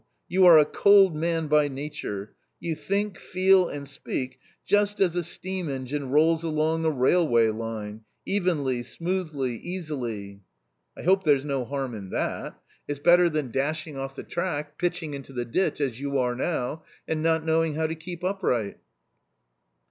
You are a cold man by nature. You think, feel, and speak just as a steam engine rolls along a railway line — evenly, smoothly, easily." " I hope there's no harm in that; it's better than dashing 142 A COMMON STORY off the track, pitching into the ditch, as you are now, and not knowing how to keep upright."